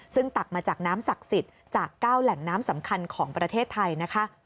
ซึ่งตักมาจากน้ำศักดิ์สิทธิ์จาก๙แหล่งน้ำสำคัญของประเทศไทยนะคะ